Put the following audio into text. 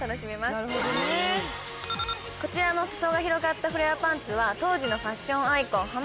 こちらの裾が広がったフレアパンツは当時のファッションアイコン